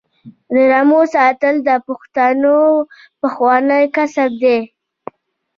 د رمو ساتل د پښتنو پخوانی کسب دی.